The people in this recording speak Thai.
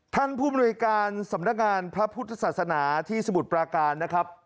ท่านผู้มนุยการสำนักงานพระพุทธศาสนาที่สมุทรปราการนะครับ